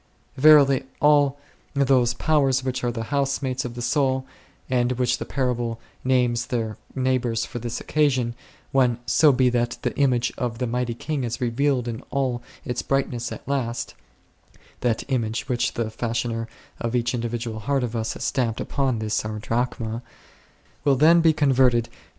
Verily, all those powers which are the housemates of the soul, and which the Parable names her neighbours for this occa sion 5, when so be that the image of the mighty King is revealed in all its brightness at last (that image which the Fashioner of each in dividual heart of us has stamped upon this our Drachma6), will then be converted to that 1 Ttjs jroAiTec'as : used in the same sense in " On Pilgrimages."